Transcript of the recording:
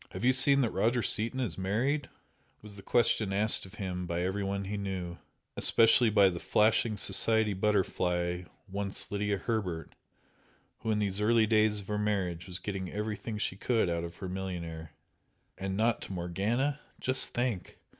"Have you seen that Roger Seaton is married?" was the question asked of him by every one he knew, especially by the flashing society butterfly once Lydia Herbert, who in these early days of her marriage was getting everything she could out of her millionaire "And NOT to Morgana! Just think!